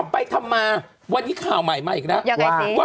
ไปทำมาวันนี้ข่าวใหม่มาอีกแล้ว